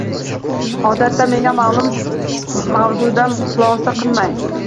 Odatda menga ma’lum mavzuda xulosa qilmay